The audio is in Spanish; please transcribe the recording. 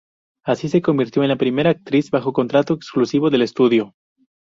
Así se convirtió en la primera actriz bajo contrato exclusivo del estudio.